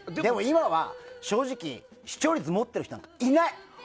でも今は、正直、視聴率持ってる人いない！